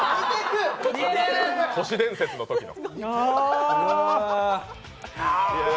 「都市伝説」のときの。